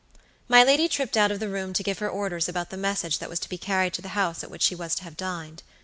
My lady tripped out of the room to give her orders about the message that was to be carried to the house at which she was to have dined.